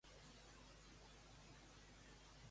Va fer alguna altra troballa similar?